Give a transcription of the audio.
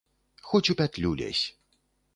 Хоць у пятлю лезь.